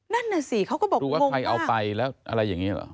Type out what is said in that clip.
นั่นน่ะสิเขาก็บอกว่าใครเอาไปแล้วอะไรอย่างนี้เหรอ